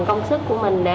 công sức của mình để giúp đỡ